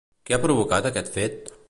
Què va provocar aquest fet?